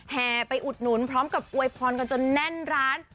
แห่ไปอุดหนุนพร้อมกับอวยพรกันจนแน่นร้าน